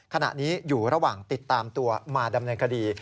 ขณะนี้อยู่ระหว่างติดตามตัวมาดำเนินคดี